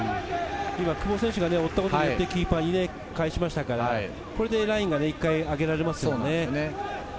久保選手が追ったことによってキーパーに返しましたから、これでラインが一回上げられます。